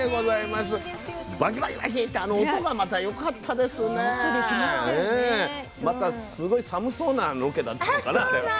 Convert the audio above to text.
またすごい寒そうなロケだったのかな？